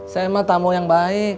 saya emang tamu yang baik